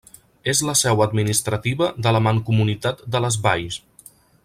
És la seu administrativa de la Mancomunitat de les Valls.